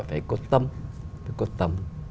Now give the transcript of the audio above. phải cố tâm phải cố tâm